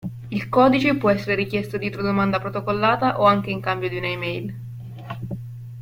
Il codice può essere richiesto dietro domanda protocollata o anche in cambio di una e-mail.